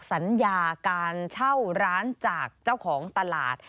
สัญญาการเช่าร้านจากเจ้าของตลาด